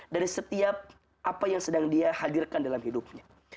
dari setiap apa yang sedang dia hadirkan dalam hidupnya